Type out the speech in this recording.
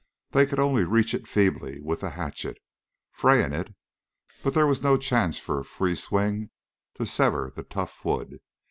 They could only reach it feebly with the hatchet, fraying it, but there was no chance for a free swing to sever the tough wood.